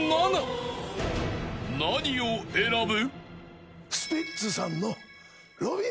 ［何を選ぶ？］